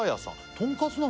とんかつなの？